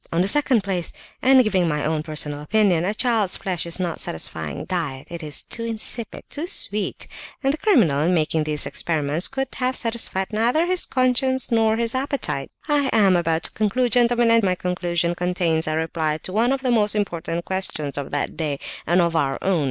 In the second place, and giving my own personal opinion, a child's flesh is not a satisfying diet; it is too insipid, too sweet; and the criminal, in making these experiments, could have satisfied neither his conscience nor his appetite. I am about to conclude, gentlemen; and my conclusion contains a reply to one of the most important questions of that day and of our own!